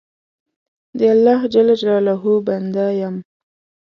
د الله جل جلاله بنده یم.